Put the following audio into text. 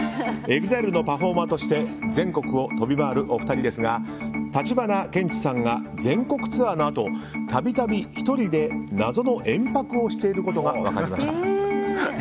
ＥＸＩＬＥのパフォーマーとして全国を飛び回るお二人ですが橘ケンチさんが全国ツアーのあと度々１人で謎の延泊をしていることが分かりました。